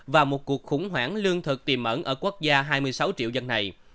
và một cuộc khủng hoảng lương thực tìm ẩn ở quốc gia hai mươi sáu triệu dân này